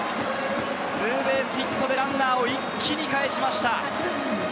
ツーベースヒットでランナーを一気にかえしました。